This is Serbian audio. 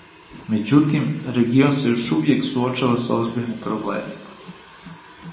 Меđутим, регион се још увијек суочава са озбиљним проблемима.